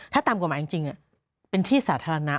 ถ้าตามกฎหมายจริงเป็นที่สาธารณะ